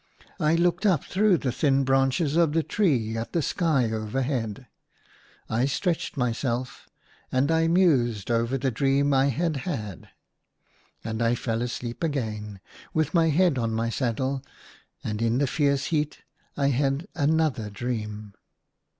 I looked up through the thin branches of the tree at the blue sky overhead. I stretched myself, and I mused over the dream I had had. And I fell asleep again, with my head on my saddle. And in the fierce heat I had another dream.